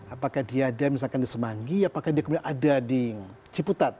apakah dia ada misalkan di semanggi apakah dia kemudian ada di ciputat